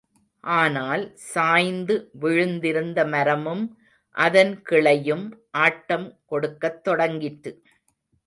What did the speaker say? ஆனால், சாய்ந்து விழுந்திருந்த மரமும் அதன் கிளையும் ஆட்டம் கொடுக்கத் தொடங்கிற்று.